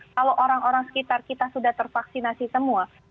kalau orang orang sekitar kita sudah tervaksinasi semua